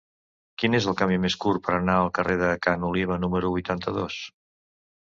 Quin és el camí més curt per anar al carrer de Ca n'Oliva número vuitanta-dos?